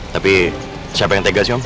tapi siapa yang tegas bang